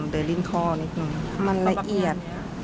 เดินริ่งข้อนิดนึงมันละเอียด